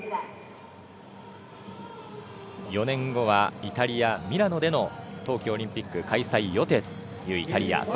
４年後はイタリア・ミラノでの冬季オリンピック開催予定というイタリア。